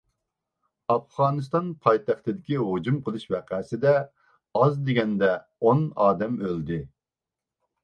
ئافغانىستان پايتەختىدىكى ھۇجۇم قىلىش ۋەقەسىدە ئاز دېگەندە ئون ئادەم ئۆلدى.